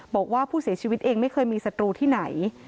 บอกว่าผู้เสียชีวิตเองไม่เคยมีศัตรูที่ไหน